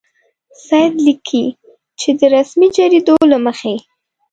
سید لیکي چې د رسمي جریدو له مخې.